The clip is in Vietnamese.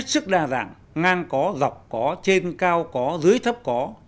sức đa dạng ngang có dọc có trên cao có dưới thấp có